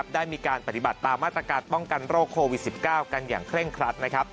ได้มีการปฏิบัติตามมาตรการป้องกันโรคโควิด๑๙กันอย่างเคร่งครัด